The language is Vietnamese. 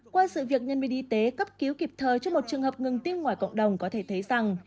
qua sự việc nhân viên y tế cấp cứu kịp thời cho một trường hợp ngừng tim ngoài cộng đồng có thể thấy rằng